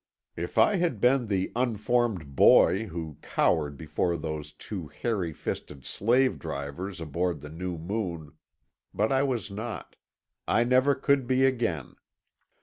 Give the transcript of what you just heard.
If I had been the unformed boy who cowered before those two hairy fisted slave drivers aboard the New Moon—but I was not; I never could be again.